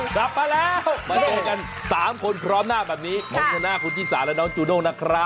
กลับมาแล้วมาเจอกัน๓คนพร้อมหน้าแบบนี้ผมชนะคุณชิสาและน้องจูด้งนะครับ